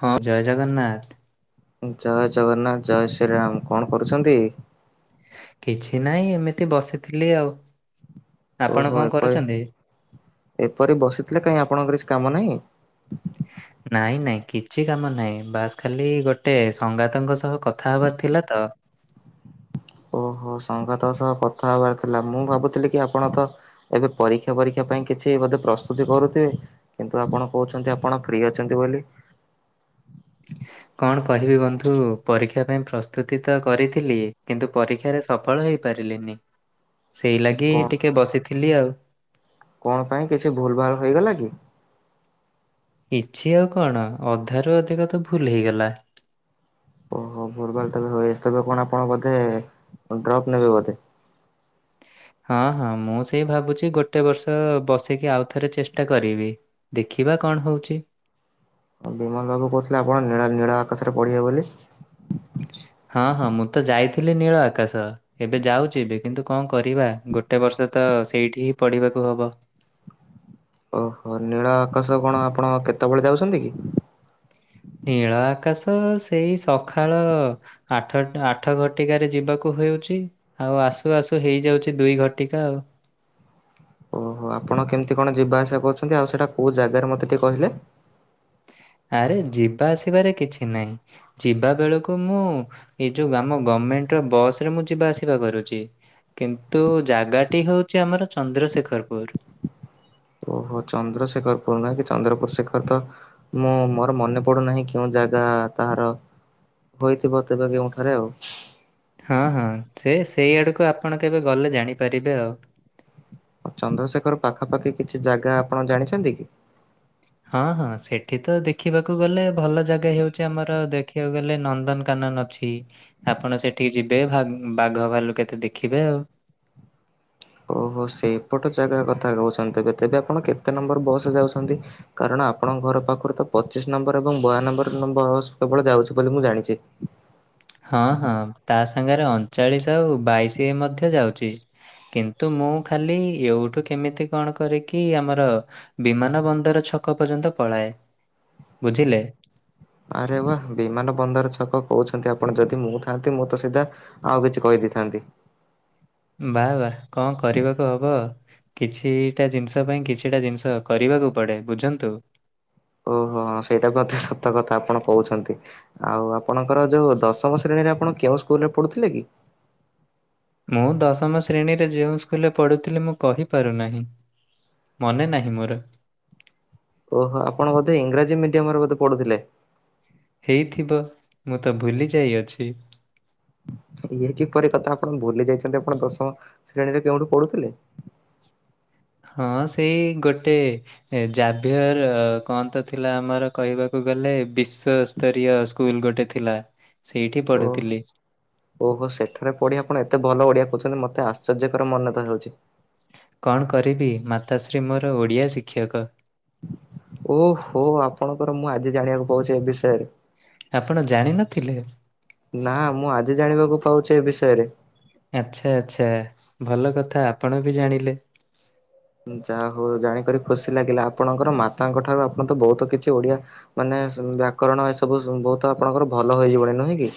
ହଁ, ଜୟ ଜଗନ୍ନାଥ। ଜୟ ଜଗନ୍ନାଥ! ଜୟ ଶ୍ରୀରାମ! କଣ କରୁଛନ୍ତି? କିଛି ନାହିଁ ଏମିତି ବସିଥିଲି ଆଉ। ଆପଣ ଓହୋ! କଣ ଏପରି କରୁଛନ୍ତି? ଏପରି ବସିଥିଲେ! କାଇଁ ଆପଣଙ୍କର କିଛି କାମ ନାହିଁ? ନାଇଁ ନାଇଁ, କିଛି କାମ ନାହିଁ। ବାସ୍ ଖାଲି ଗୋଟେ ସଙ୍ଗାତଙ୍କ ସହ କଥା ହବାର ଥିଲା ତ। ଓହୋ!। ଓ ସଙ୍ଗାତ ସହ କଥା ହେବାର ଥିଲା, ମୁଁ ଭାବୁଥିଲି କି ଆପଣ ତ ଏବେ ପରୀକ୍ଷା ପରୀକ୍ଷା ପାଇଁ କିଛି ବୋଧେ ପ୍ରସ୍ତୁତି କରୁଥିବେ। କିନ୍ତୁ, ଆପଣ କହୁଛନ୍ତି, ଆପଣ ଫ୍ରି ଅଛନ୍ତି ବୋଲି। [inaudible] କଣ କହିବି ବନ୍ଧୁ! ପରୀକ୍ଷା ପାଇଁ ପ୍ରସ୍ତୁତି ତି କରିଥିଲି, କିନ୍ତୁ ପରୀକ୍ଷାରେ ସଫଳ ହେଇପାରିଲିନି। ସେଇ ଲାଗି କଣ ଟିକେ ବସିଥିଲି ଆଉ। କଣ ପାଇଁ କିଛି ଭୁଲ ଭାଲ୍ ହୋଇଗଲା କି? କିଛି ଆଉ କଣ? ଅଧାରୁ ଅଧିକ ତ ଭୁଲ ହେଇଗଲା। ଓହୋ! ଭୁଲ୍ ଭାଲ୍ ତେବେ ହୋଇଆଇସ୍। କଣ ଆପଣ ବୋଧେ ଡ୍ରପ ନେବେ ବୋଧେ? ହଁ, ହଁ, ମୁଁ ସେଇ ଭାବୁଛି! ଗୋଟେ ବର୍ଷ ବସିକି ଆଉ ଥରେ ଚେଷ୍ଟା କରିବି। ଦେଖିବା କଣ ହଉଛି? ବିମଲ୍ ବାବୁ କହୁଥିଲେ ଆପଣ ନୀଳ ନୀଳ ଆକାଶରେ ପଢିବେ ବୋଲି? ହେଲେ ନୀଳ ଆକାଶ! ଏବେ ଯାଉଛି ବି, କିନ୍ତୁ କଣ କରିବା? ଗୋଟେ ବର୍ଷ ତ ସେଇଠି ହିଁ ପଢିବାକୁ କୁ ହବ। ଓହୋ! ନୀଳ ଆକାଶ କଣ ଆପଣ କେତେବେଳେ ଯାଉଛନ୍ତି କି? ତ ସେଇ ସଖାଳ ଆଠଟା ଆଠ ଘଟିକାରେ ଯିବାକୁ ହେଉଛି ଆଉ ଆ ଆସୁ ଆସୁ ହେଇଯାଉଛି। ଦୁଇ ଘଟିକା ଆଉ। ହ [inaudible] ଓହୋ! ଆପଣ କେମିତି କଣ ଯିବା ଆସିବା କରୁଛନ୍ତି, ଆଉ ସେଇଟା କୋଉ ଜାଗାରେ ମତେ ଟିକେ କହିଲେ? ଆରେ ଯିବା ଆସିବାରେ କିଛି ନାହିଁ। ଯିବା ବେଳକୁ ମୁଁ, ଏ ଯୋଉ ଆମ ଗମେଣ୍ଟ ବସ୍ ରେ ମୁଁ ଯିବା ଆସିବା କରୁଚି। କିନ୍ତୁ, ଜାଗାଟି ହଉଛି ଆମର ଚନ୍ଦ୍ରଶେଖରପୁର। ଓହୋ ଚନ୍ଦ୍ରଶେଖର ପୁର ନାଁ କି ଚନ୍ଦ୍ରପୁର ଶେଖର ତ ମୁଁ ମୋର ମନେ ପଡୁନାହିଁ କେଁ ଜାଗା ତାହାର ହୋଇଥିବ ତେବେ କେଉଁଠାରେ ଆଉ? ହଁ ହଁ ସେ ସେଇ ଆଡ଼କୁ ଆପଣ କେବେ ଗଲେ ଜାଣିପାରିବେ ଆଉ। ଚନ୍ଦ୍ରଶେଖର ପାଖାପାଖି କିଛି ଜାଗା ଆପଣ ଜାଣିଛନ୍ତି କି? ହଁ ହଁ ସେଠି ତ ଦେଖିବାକୁ ଗଲେ ଭଲ ଜାଗା ହେଉଛି ଆମର ଦେଖିବାକୁ ଗଲେ ନନ୍ଦନକାନନ ନନ୍ଦକାନନ ଅଛି ଆପଣ ସେଠିକି ଯିବେ ବାଘ ଭାଲୁ କେତେ ଦେଖିବେ ଆଉ। [inaudible] ଓହୋ ସେପଟ ଜାଗା କଥା କହୁଛନ୍ତି, ତେବେ ତେବେ ଆପଣ କେତେ ନମ୍ବର ବସ ଯାଉଛନ୍ତି କାରଣ ଆପଣଙ୍କ ଘର ପାଖରୁ ତ ପଚିଶି ନମ୍ବର ଏବଂ ବୟା ନମ୍ବର ନମ୍ବର ସବୁବେଳେ ଯାଉଛି ବୋଲି ମୁଁ ଜାଣିଛି। ହଁ ହଁ ତା ସାଙ୍ଗରେ ଅଣଚାଳିଶ ଆଉ ବାଇଶି ମଧ୍ୟ ଯାଉଛି। କିନ୍ତୁ ମୁଁ ଖାଲି ଏଉଠୁ କେମିତି କଣ କରିକି ଆମର ବିମାନ ବନ୍ଦରଛ ଛକ ପର୍ଯ୍ୟନ୍ତ ପଳାଏ ବୁଝିଲେ? ଆରେ ବା ବିମାନ ବନ୍ଦର ଛକ କହୁଛନ୍ତି, ଆପଣ ଯଦି ମୁଁ ଥାନ୍ତି ମୁଁ ତ ସିଧା ଆଉ କିଛି କହିଦେ ଦେଇଥାନ୍ତି। ବା ବା କଣ କରିବାକୁ ହେବ କିଛିଟା ଜିନିଷ ପାଇଁ କିଛିଟା ଜିନିଷ କରିବାକୁ ପଡ଼େ ଏ, ବୁଝନ୍ତୁ। ଓହୋ ସେଇଟା ବି ଅତି ସତ କଥା ଆପଣ କହୁଛନ୍ତି, ଆଉ ଆପଣଙ୍କର ଯୋଉ ଦଶମ ଶ୍ରେଣୀ ସାର୍ ଆପଣ କେଉ ସ୍କୁଲରେ ପଢୁଥିଲେ କି? ମୁଁ ଦଶମ ଶ୍ରେଣୀରେ ଯେଉଁ ସ୍କୁଲରେ ପଢ଼ୁଥିଲି ମୁଁ କହିପାରୁନାହିଁ ମନେ ନାହିଁ ମୋର। ଓହୋ ଆପଣ ବୋଧେ ଇଂରାଜୀ ମିଡିୟମରେ ବୋଧେ ପଢୁଥିଲେ? ହେଇଥିବ ମୁଁ ତ ଭୁଲି ଯାଇଅଛି। ଇଏ କିପରି କଥା ଆପଣ ଭୁଲି ଯାଇଛନ୍ତି, ଆପଣ ଦଶମ ଶ୍ରେଣୀରେ କେଉଠୁ ପଢୁଥିଲେ? ହଁ ସେଇ ଗୋଟେ ଜାଭିୟର କଣ ତ ଥିଲା ଆମର କହିବାକୁ ଗ ଲେ ବିଶ୍ଵସ୍ତରୀୟ ସ୍କୁଲ ଗୋଟେ ଥିଲା। ସେଇଠି ଓହ ପଢୁଥିଲି। ଓହୋ ସେଠାରେ ପଢ଼ି ଆପଣ ଏତେ ଭଲ ଓଡ଼ିଆ କହୁଛନ୍ତି ମତେ ଆଶ୍ଚର୍ଯ୍ୟକର ମନତା ହେଉଛି। କଣ କରିବି ମାତାଶ୍ରୀ ମୋର ଓଡିଆ ଶିକ୍ଷକ। ଓହୋ ଆପଣଙ୍କର ମୁଁ ଆଜି ଜାଣିବାକୁ ପାଉଛି ଏ ବିଷୟରେ। ଆପଣ ଜାଣିନଥିଲେ? ନା ମୁଁ ଆଜି ଜାଣିବାକୁ ପାଉଛି ଏ ବିଷୟରେ। ଆଚ୍ଛା ଆଚ୍ଛା ଭଲ କଥା ଆପଣ ବି ଜାଣିଲେ ଯାହା ହଉ ଜାଣିକରି ଖୁସି ଲାଗିଲା, ଆପଣଙ୍କର ମାତାଙ୍କ ଠାରୁ ଆପଣ ତ ବହୁତ କିଛି ଓଡିଆ ମାନେ ବ୍ୟାକରଣ ଏସବୁ ବହୁତ ଆପଣଙ୍କର ଭଲ ହେଇଯିବନ ନୁହେଁ କି?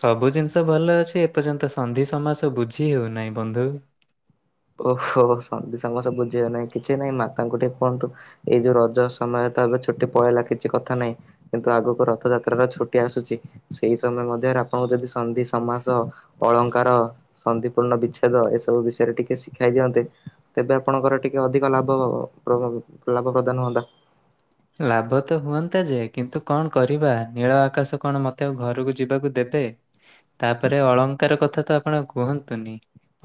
ସବୁ ଜିନିଷ ଭଲ ଅଛି, ଏପର୍ଯ୍ୟନ୍ତ ସନ୍ଧି ସମାସ ବୁଝି ହେଉନାହିଁ ବନ୍ଧୁ। ଓହୋ ସମାସ ବୁଝିବା କିଛିନାଇଁ ମାତାଙ୍କୁ ଟିକେ କୁହନ୍ତୁ, ଏଇ ଯୋଉ ରଜ ସମୟର ତ ଏବେ ଛୁଟି ପଳେଇଲାନି କିଛି କଥା ନାହିଁ କିନ୍ତୁ ଆଗକୁ ରଥଯାତ୍ରାର ଛୁଟି ଆସୁଛି, ସେଇ ସମୟ ମଧ୍ୟରେ ଆପଣଙ୍କୁ ଯଦି ସନ୍ଧି ସମାସ ଅଳଙ୍କାର ସନ୍ଧିପୂର୍ଣ୍ଣ ବିଚ୍ଛେଦ ଏସବୁ ବିଷୟରେ ଟିକେ ଶିଖାଇ ଦିଅନ୍ତେ ତେବେ ଆପଣଙ୍କର ଟିକେ ଅଧିକ ଲାଭ ହେବ ଲାଭ ପ୍ରଦାନ ହଅନ୍ତା। ଲାଭ ତ ହୁଅନ୍ତା, ଯେ କିନ୍ତୁ କଣ କରିବା ନୀଳ ଆକାଶ କଣ ମତେ ଆଉ ଘରକୁ ଯିବାକୁ ଦେ ବେ, ତାପରେ ଅଳଙ୍କାର କଥା ତ ଆପଣ ଆଉ କୁହନ୍ତୁନି!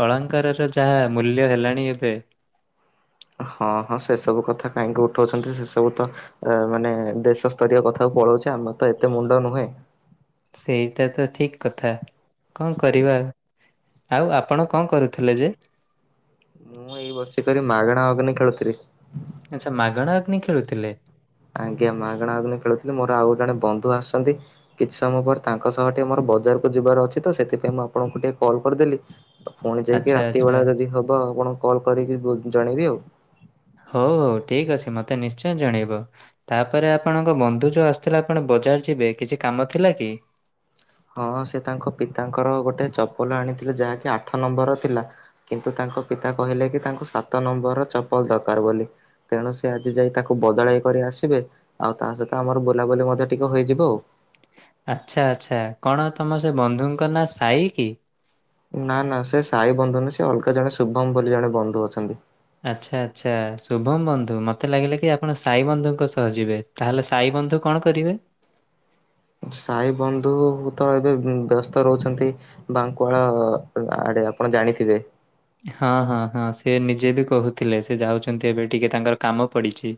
ଅଳଙ୍କାରର ଯାହା ମୂଲ୍ୟ ହେଲାଣି ଏବେ ହଁ ହଁ ସେ ସବୁ କଥା କାହିଁକି ଉଠଉଛନ୍ତି, ସେ ସବୁ ତ ଏ ମାନେ ଦେଶ ସ୍ତରୀୟ କଥା ପଳଉଚି ଆମର ତ ଏତେ ମୁଣ୍ଡ ନୁହେଁ ସେଇଟା ତ ଠିକ କଥା କଣ କରିବା। ଆଉ ଆପଣ କଣ କରୁଥିଲେ ଯେ? ମୁଁ ଏଇ ବସିକରି ମାଗଣା ଅଗ୍ନି ଖେଳୁଥିଲି। ଆଚ୍ଛା ମାଗଣା ଅଗ୍ନି ଖେଳୁଥିଲେ? ଆଜ୍ଞା ମାଗଣା ଅଗ୍ନି ଖେଳୁଥିଲି, ମୋର ଆଉ ଜଣେ ବନ୍ଧୁ ଆସଛନ୍ତି, କିଛି ସମୟ ପରେ ତାଙ୍କ ସହ ଟିକେ ମୋର ବଜାରକୁ ଯିବାର ଅଛି ତ, ସେଥିପାଇଁ ମୁଁ ଆପଣଙ୍କୁ ଟିକେ କଲ୍ କରିଦେଲି। ପୁଣି ଯାଇକି ଆଚ୍ଛା ରାତି ଆଚ୍ଛା ବେଳା ଯଦି ହବ, ଆପଣଙ୍କୁ କଲ କରିକି ଜଣେଇବି ଆଉ ହଉ ହଉ ଠିକ ଅଛି ମତେ ନିଶ୍ଚୟ ଜଣେଇବ, ତାପରେ ଆପଣଙ୍କ ବନ୍ଧୁ ଯୋଉ ଆସିଥିଲେ ଆପଣ ବଜାର ଯିବେ, କିଛି କାମ ଥିଲା କି? [inaudible] ହଁ ସେ ତାଙ୍କ ପିତାଙ୍କର ଗୋଟେ ଚପଲ ଆଣିଥିଲେ, ଯାହାକି ଆଠ ନମ୍ବରର ଥିଲା କିନ୍ତୁ ତା ତାଙ୍କ ପିତା କହିଲେ କି ତାଙ୍କୁ ସାତ ନମ୍ବର ଚପଲ ଦରକାର ବୋଲି, ତେଣୁ ସେ ଆଜି ଯାଇ ତାକୁ ବଦଳାଇ କରି ଆସିବେ, ଆଉ ତା ସହିତ ଆମର ବୁଲାବୁଲି ମଧ୍ୟ ଟିକେ ହୋଇଯିବ ଆଉ ଆଛା ଆଛା, କଣ ତମ ସେ ବନ୍ଧୁଙ୍କ ନାଁ ସାଇ କି? ନା ନା, ସେ ସହି ବନ୍ଧୁନୁହଁ ସେ ଅଲଗା ଜଣେ ଶୁଭମ ବୋଲି ଜଣେ ବନ୍ଧୁ ଅଛନ୍ତି। ଆଚ୍ଛା ଆଚ୍ଛା, ଶୁଭମ ବନ୍ଧୁ ମତେ ଲାଗିଲା କି ଆପଣ ସାଇ ବନ୍ଧୁଙ୍କ ସହ ଯିବେ, ତାହେଲେ ସାଇ ବନ୍ଧୁ କଣ କରିବେ? [inaudible] ସାଇ ବନ୍ଧୁ ତ ଏବେ ବ୍ୟସ୍ତ ରହୁଛନ୍ତି, ବାଙ୍କୁଳ ରେ ଆପଣ ଜାଣିଥିବେ? ହଁ ହଁ ହଁ ସେ ନିଜେ ବି କହୁଥିଲେ, ସେ ଯାଉଛନ୍ତି ଏବେ ଟିକେ ତାଙ୍କର କାମ ପଡିଛି।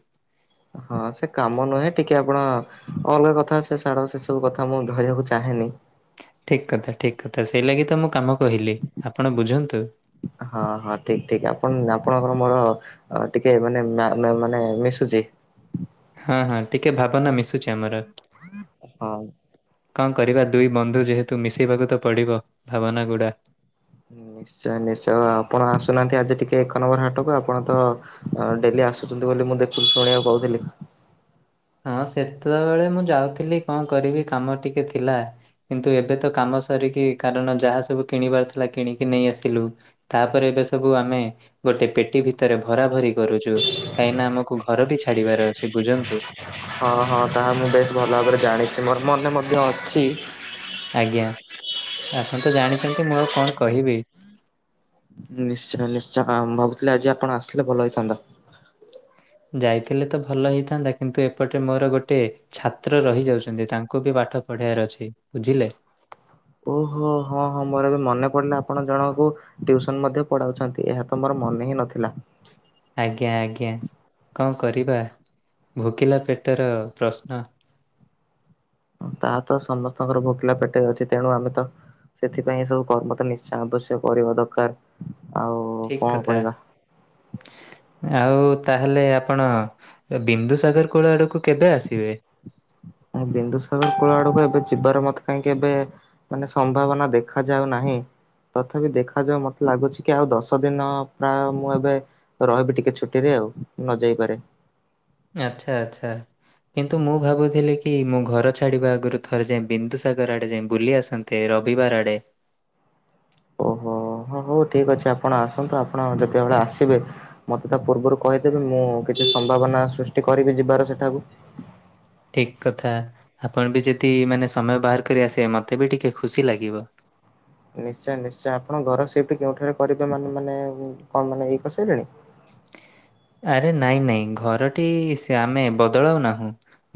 ହଁ ସେ କାମ ନୁହେଁ, ଟିକେ ଆପଣ, କଲ୍ ରେ କଥାହଉଛେ ଛାଡ ସେ ସବୁ କଥା ମୁଁ ଧରିବାକୁ ଚାହେଁ ହେନି? ଠିକ କଥା, ଠିକ କଥା, ସେଇ ଲାଗି ତ ମୁଁ କାମ କହିଲି ଆପଣ ବୁଝନ୍ତୁ। ହଁ ହଁ ଠିକ ଠିକ ଆପଣଙ୍କର ମୋର ଟିକେ ମାନେ, ମ୍ୟ ମ୍ୟ ମାନେ ମିଶୁଛି। ହଁ ହଁ ଟିକେ ଭାବନା ମିଶୁଛି ଆମର ହଁ। କଣ କରିବା, ଦୁଇ ବନ୍ଧୁ ଯେହେତୁ ମିଶେଇବାକୁ ତ ପଡ଼ିବ ଭାବନାଗୁଡ଼ା। ନିଶ୍ଚୟ ନିଶ୍ଚୟ, ଆପଣ ଆସୁନାହାନ୍ତି ଆଜି ଟିକେ ଏକ ନମ୍ବର ହାଟକୁ, ଆପଣ ତ ଡେଲି ଆସୁଛନ୍ତି ବୋଲି ମୁଁ ଦେଖୁି ଶୁଣିବାକୁ ପାଉଥିଲି। ହଁ ସେତେବେଳେ ମୁଁ ଯାଉଥିଲି, କଣ କରିବି? କାମ ଟିକେ ଥିଲା। କିନ୍ତୁ ଏବେ ତ କାମ ସାରିକି, କାରଣ ଯାହା ସବୁ କିଣିବାର ଥିଲା କିଣିକି ନେଇ ଆସିଲୁ ତାପରେ ଏବେ ସବୁ ଆମେ ଗୋଟେ ପେଟି ଭିତରେ ଭରା ଭରି କରୁଛୁ କାହିଁନା ଆମକୁ ଘର ବି ଛାଡିବାର ଅଛି, ବୁଝନ୍ତୁ? ହଁ ହଁ, ତାହା ମୁଁ ବେଶ୍ ଭଲ ଭାବରେ ଜାଣିଛି ମୋର ମନେ ମଧ୍ୟ ଅଛି। ଆଜ୍ଞା, ଆପଣ ତ ଜାଣିଛନ୍ତି ମୁଁ ଆଉ କଣ କହିବି? ନିଶ୍ଚୟ ନିଶ୍ଚୟ, ମୁ ଭାବୁଥିଲି ଆଜି ଆପଣ ଆସିଲେ ଭଲ ହେଇଥାନ୍ତା। ଯାଇଥିଲେ ତ ଭଲ ହେଇଥାନ୍ତା, କିନ୍ତୁ ଏପଟେ ମୋର ଗୋଟେ ଛାତ୍ର ରହିଯାଉଛନ୍ତି ତାଙ୍କୁ ବି ବା ପାଠ ପଢ଼େଇ ବାର ଅଛି, ବୁଝିଲେ? ଓହୋ, ହଁ ହଁ, ମୋର ଏବେ ମନେ ପଡିଲା। ଆପଣ ଜଣଙ୍କୁ ଟ୍ୟୁସନ୍ ମଧ୍ୟ ପଢାଉଛନ୍ତି, ଏହା ତ ମୋର ମନେ ହିଁ ନଥିଲା। ଆଜ୍ଞା ଆଜ୍ଞା, କଣ କରିବା? ଭୋକିଲା ପେଟର ପ୍ରଶ୍ନ। ତାହା ତ ସମସ୍ତଙ୍କର ଭୋକିଲା ପେଟେ ଅଛି ତେଣୁ ଆମେ ତ ସେଥିପାଇଁ ଏ ସବୁ କର୍ମ ତ ନିଶ୍ଚୟ ଆବଶ୍ୟ କରିବା ଦରକାର। ଆଉ ଠିକ୍ କଣ କଥା। କହିବା। ଆଉ ତାହାଲେ ଆପଣ ବିନ୍ଦୁ ସାଗର କୂଳ ଆଡକୁ କଣ ବିନ୍ଦୁସାଗର କୋଳ ଆଡକୁ ଏବେ ଯିବାର ମତେ କାହିଁକି ଏବେ ମାନେ ସମ୍ଭାବନା ଦେଖା ଯାଉ ନାହିଁ। ତଥାପି ଦେଖାଯାଉ ମତେ ଲାଗୁଛି କି, ଆଉ ଦଶ ଦିନ ପ୍ରାୟ ମୁଁ ଏବେ ରହିବି ଟିକେ ଛୁଟିରେ, ଆଉ ନ ଯାଇପାରେ। ଆଚ୍ଛା ଆଚ୍ଛା। କିନ୍ତୁ ମୁଁ ଭାବୁଥିଲି କି, ମୁଁ ଘର ଛାଡିବା ଆଗରୁ ଥରେ ଯାଇ ବିନ୍ଦୁସାଗର ଆଡେ ଯାଇ ବୁଲି ଆସନ୍ତେ। ରବିବାର ଆଡେ। ଓହୋ। ହଁ ହଉ ଠିକ୍ ଅଛି ଆପଣ ଆସନ୍ତୁ ଆପଣ ଯେତେବେଳେ ଆସିବେ ମତେ ତା ପୂର୍ବରୁ କହିଦେବେ ମୁଁ କିଛି ସମ୍ଭାବନା ସୃଷ୍ଟି କରିବି ଯିବାର ସେଠାକୁ। ଠିକ୍ କଥା ଆପଣ ବି ଯଦି ମାନେ ସମୟ ବାହାର କରି ଆସିବେ ମତେ ବି ଟିକେ ଖୁସି ଲାଗିବ। ନିଶ୍ଚୟ ନିଶ୍ଚୟ ଆପଣ ଘର ସେଇଟି କେଉଁଠାରେ କରିବେ ମାନେ ମାନେ କଣ ମାନେ ଇଏ କରି ସାରିଲେଣି। [unintelligible] ଆରେ ନାଇଁ ନାଇଁ ଘରଟି ସେ ଆମେ ବଦଳାଉ ନାହୁଁ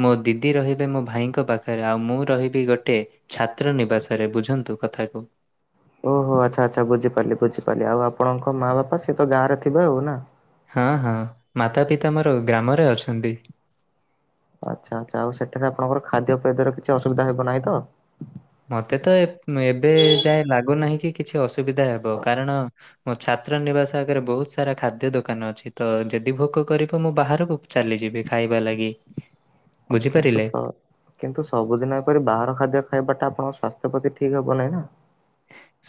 ମୋ ଦିଦି ରହିବେ ମୋ ଭାଇ ଭାଇଙ୍କ ପାଖରେ ଆଉ ମୁଁ ରହିବି ଗୋଟେ ଛାତ୍ର ନିବାସରେ ବୁଝନ୍ତୁ କଥାକୁ। ଓହୋ ଆଚ୍ଛା ଆଚ୍ଛା ବୁଝିପାରିଲି ବୁଝିପାରିଲି ଆଉ ଆପଣଙ୍କ ମା ବାପା ସିଏ ତ ଗାଁରେ ଥିବ ଆଉ ନା। ହଁ ହଁ ମାତା ପିତା ମୋର ଗ୍ରାମରେ ଅଛନ୍ତି। ଆଚ୍ଛା ଆଚ୍ଛା ଆଉ ସେଠାରେ ଆପଣଙ୍କର ଖାଦ୍ୟ ପେଦର କିଛି ଅସୁବିଧା ହେବ ନାହିଁ ତ? ମୋତେ ତ ଏ ଏବେ ଯାଏ ଲାଗୁନାହିଁ କି କିଛି ଅସୁବିଧା ହେବ କାରଣ ମୋ ଛାତ୍ର ନିବାସ ଆଗରେ ବହୁତ ସାରା ଖାଦ୍ୟ ଦୋକାନ ଅଛି ତ ଯଦି ଭୋକ କରିବ ମୁଁ ବାହାରକୁ ଚାଲିଯିବି। ଯିବି ଖାଇବା ଲାଗି। ହଁ କିନ୍ତୁ ବୁଝିପାରିଲେ? ସ କିନ୍ତୁ ସବୁଦିନ ଏପରି ବାହାର ଖାଦ୍ୟ ଖାଇବାଟା ଆପଣଙ୍କୁ ସ୍ୱା ସ୍ୱାସ୍ଥ୍ୟ ପ୍ରତି ଠିକ୍ ହବ ନାହିଁ ନା।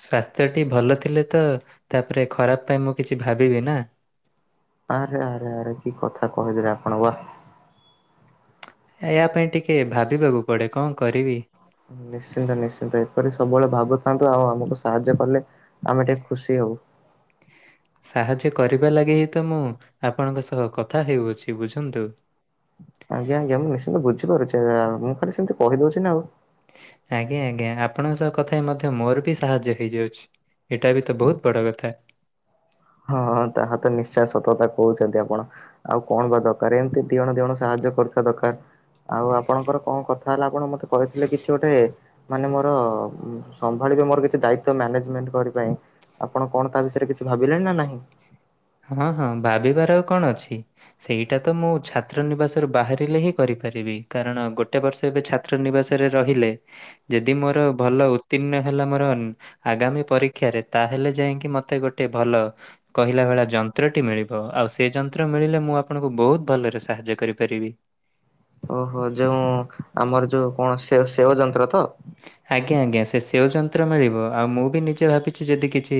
ସ୍ୱାସ୍ଥ୍ୟଟି ଭଲ ଥିଲେ ତ ତାପରେ ଖରାପ ପାଇଁ ମୁଁ କିଛି ଭାବିବି ନା। ଆରେ ଆରେ ଆରେ କି କଥା କହିଦେଲେ ଆପଣ ବାଃ। ଏହିୟା ପାଇଁ ଟିକେ ଭାବିବାକୁ ପଡେ କଣ କରିବି? ନିଶ୍ଚିନ୍ତ ନିଶ୍ଚିନ୍ତ ଏପରି ସବୁବେଳେ ଭାବୁଥାନ୍ତୁ ଆଉ ଆମକୁ ସାହାଯ୍ୟ କଲେ ଆମେ ଟିକେ ଖୁସି ହବୁ। [unintelligible] ସାହାଯ୍ୟ କରିବା ଲାଗି ହିଁ ତ ମୁଁ ଆପଣଙ୍କ ସହ କଥା ହେଉଅଛି ବୁଝନ୍ତୁ। ଆଜ୍ଞା ଆଜ୍ଞା ମୁଁ ନିଶ୍ଚିନ୍ତ ବୁଝିପାରୁଛି ମୁଁ ଖାଲି ସେମିତି କହିଦଉଛି ନା ଆଉ। ଆଜ୍ଞା ଆଜ୍ଞା ଆପଣଙ୍କ ସହ କଥା ହେଇ ମଧ୍ୟ ମୋର ବି ସାହାଯ୍ୟ ହେଇଯାଉଛି। ଏଇଟା ବି ତ ବହୁତ ବଡ଼ କଥା। ହଁଁ ତାହା ତ ନିଶ୍ଚୟ ସତକତା କହୁଛନ୍ତି ଆପଣ ଆଉ କଣ ବା ଦରକାର ଏମତି ଦିଣ ଦିଣ ସାହା ଯ୍ୟ କରୁଥିବା ଦରକାର। ଆଉ ଆପଣଙ୍କର କଣ କଥା ହେଲା ଆପଣ ମତେ କହିଥିଲେ କିଛି ଗୋଟେ ମାନେ ମୋର ସମ୍ଭାଳି ଜେ ମୋର କିଛି ଦାୟିତ୍ୱ ମ୍ୟାନଜେମେଣ୍ଟ କରି ପାଇଁ ଆପଣ କଣ ତା ବିଷୟରେ କିଛି ଭାବିଲେଣି ନା ନାହିଁ। ହଁ ହଁ ଭାବିବାର ଆଉ କଣ ଅଛି ସେଇଟା ତ ମୁଁ ଛାତ୍ର ନିବାସରୁ ବାହାରିଲେ ହିଁ କରି କରିବି କାରଣ ଗୋଟେ ବର୍ଷ ଏବେ ଛାତ୍ର ନିବାସରେ ରହିଲେ ଯଦି ମୋର ଭଲ ଉତିର୍ଣ୍ଣ ହେଲା ମୋର ଆଗାମୀ ପରୀକ୍ଷାରେ ତାହେଲେ ଯାଇକି ମତେ ଗୋଟେ ଭଲ କହିଲା ଭଳିଆ ଯନ୍ତ୍ରଟି ମିଳିବ ଆଉ ସେ ଯନ୍ତ୍ର ମିଳିଲେ ମୁଁ ଆପଣଙ୍କୁ ବହୁତ ଭଲରେ ସାହାଯ୍ୟ କରିପାରିବି। ଓହୋ ଯୋଉ ଆମର ଯୋଉ କଣ ସେ ସେଓ ଯନ୍ତ୍ର ତ। ଆଜ୍ଞା ଆଜ୍ଞା ସେ ସେଓ ଯନ୍ତ୍ର ମିଳିବ ଆଉ ମୁଁ ବି ନିଜେ ଭାବିଛି ଯଦି କିଛି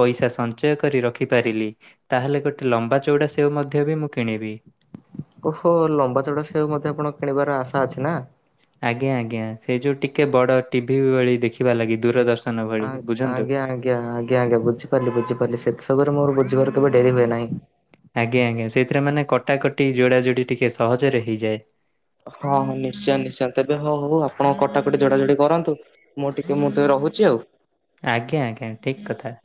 ପଇସା ସଞ୍ଚୟ କରି ରଖିପାରିଲି ତାହେଲେ ଗୋଟେ ଲମ୍ବା ଚଉଡା ସେଓ ମଧ୍ୟ ବି ମୁଁ କିଣିବି। ଓହୋ ଲମ୍ବା ଚଉଡା ସେଉ ମଧ୍ୟ ଆପଣ କିଣିବାର ଆଶା ଅଛି ନା? ଆଜ୍ଞା ଆଜ୍ଞା ସେ ଯୋଉ ଟିକେ ବଡ଼ ଟିଭି ଭଳି ଦେଖିବା ଲାଗି ଦୂରଦର୍ଶ ଆଜ୍ଞା ଆଜ୍ଞା ଆଜ୍ଞା ଆଜ୍ଞା ବୁଝିପାରିଲି ବୁଝିପାରିଲି ସେଥି ଯୋଗୁରୁ ମୋର ଝିବାର କେବେ ଡେରି ହୁଏ ନାହିଁ। ଆଜ୍ଞା ଆଜ୍ଞା ସେଇଥିରେ ମାନେ କଟାକଟି ଯୋଡା ଯୋଡି ଟିକେ ସହଜରେ ହେଇଯାଏ। ହଁ ହଁ ନିଶ୍ଚୟ ନିଶ୍ଚୟ ତେବେ ହଉ ହଉ ଆପଣ କଟାକଟି ଜୋଡାଜୋଡି କରନ୍ତୁ ମୁଁ ଟିକେ ମୁଟି ର କହୁଛି ଆଉ। ଆଜ୍ଞା ଆଜ୍ଞା ଠିକ କଥା।